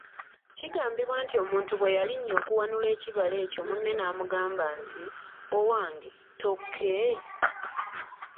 Kigambibwa nti omuntu bwe yalinnya okuwanula ekibala ekyo munne n’amugamba nti, “Owange ttokke?῎